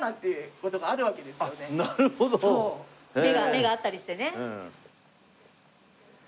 目が合ったりしてね。